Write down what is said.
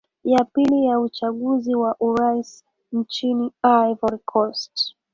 ya pili ya uchaguzi wa urais nchini ivory coast